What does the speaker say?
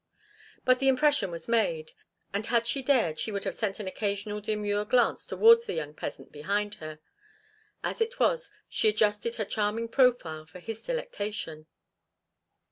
But the impression was made, and had she dared she would have sent an occasional demure glance towards the young peasant behind her; as it was she adjusted her charming profile for his delectation.